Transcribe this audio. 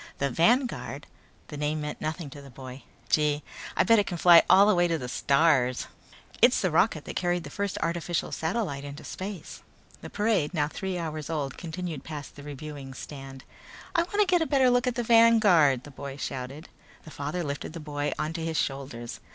"The Vanguard?" The name meant nothing to the boy. "Gee, I'll bet it can fly all the way to the stars!" "It's the rocket that carried the first artificial satellite into space." The parade, now three hours old, continued past the reviewing stand. "I wanna get a better look at the Vanguard!" the boy shouted. The father lifted the boy onto his shoulders.